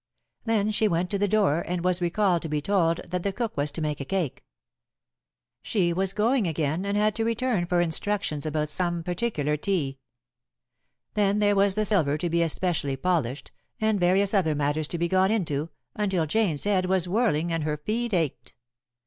Then she went to the door, and was recalled to be told that the cook was to make a cake. She was going again, and had to return for instructions about some particular tea. Then there was the silver to be especially polished, and various other matters to be gone into, until Jane's head was whirling and her feet ached.